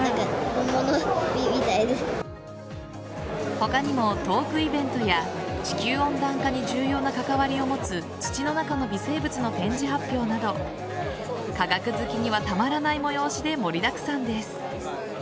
他にもトークイベントや地球温暖化に重要な関わりを持つ土の中の微生物の展示発表など科学好きにはたまらない催しで盛りだくさんです。